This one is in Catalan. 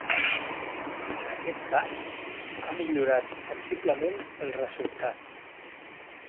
En aquest cas, ha millorat sensiblement el resultat.